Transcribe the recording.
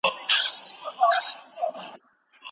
يوسف عليه السلام د مصيبتونو په وړاندي ثابت قدمه سو.